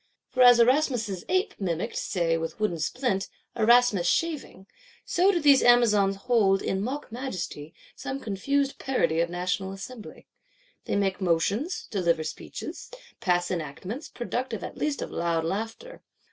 For as Erasmus's Ape mimicked, say with wooden splint, Erasmus shaving, so do these Amazons hold, in mock majesty, some confused parody of National Assembly. They make motions; deliver speeches; pass enactments; productive at least of loud laughter.